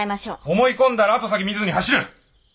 思い込んだらあとさき見ずに走る！